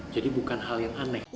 jadi bukan hal yang aneh